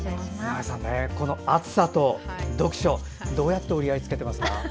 この暑さと読書、どうやって折り合いつけてますか？